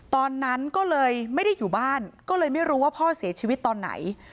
ตอนนั้นก็เลยไม่ได้อยู่บ้านก็เลยไม่รู้ว่าพ่อเสียชีวิตตอนไหน